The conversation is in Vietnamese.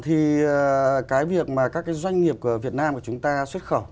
thì cái việc mà các cái doanh nghiệp của việt nam của chúng ta xuất khẩu